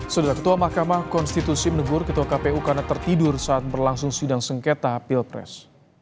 sudah ketua mahkamah konstitusi menegur ketua kpu karena tertidur saat berlangsung sidang sengketa pilpres